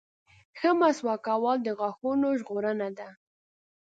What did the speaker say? • ښه مسواک کول د غاښونو ژغورنه ده.